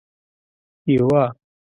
یوه